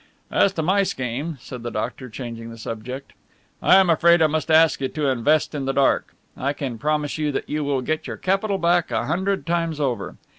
"As to my scheme," said the doctor, changing the subject, "I'm afraid I must ask you to invest in the dark. I can promise you that you will get your capital back a hundred times over.